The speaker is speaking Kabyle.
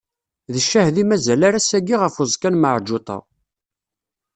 D ccahed i mazal ar ass-agi ɣef uẓekka n Meɛǧuṭa.